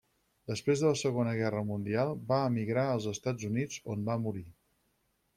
Després de la Segona Guerra Mundial va emigrar als Estats Units, on va morir.